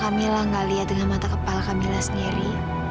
sama kamilah gak lihat dengan mata kepala kamilah sendiri